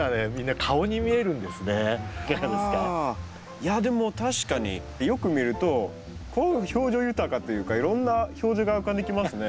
いやでも確かによく見ると表情豊かというかいろんな表情が浮かんできますね。